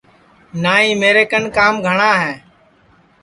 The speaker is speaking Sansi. نائی میرے کن کام گھٹؔا ہے